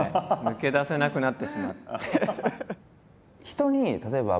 抜け出せなくなってしまって。